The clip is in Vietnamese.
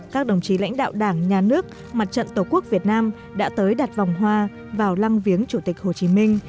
các đồng chí lãnh đạo đảng nhà nước mặt trận tổ quốc việt nam đã tới đặt vòng hoa vào lăng viếng chủ tịch hồ chí minh